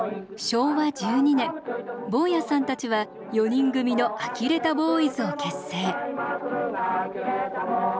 昭和１２年坊屋さんたちは４人組のあきれたぼういずを結成。